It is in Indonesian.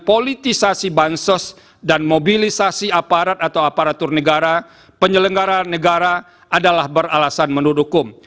politisasi bansos dan mobilisasi aparat atau aparatur negara penyelenggara negara adalah beralasan menurutkum